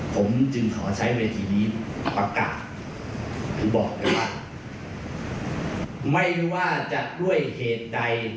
ผมจึงขอใช้เวทีนี้ประกาศบอกว่าไม่ว่าจะด้วยเหตุใด